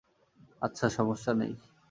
আচ্ছা সমস্যা নেই।